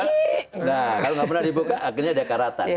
nah kalau tidak pernah dibuka akhirnya ada karatan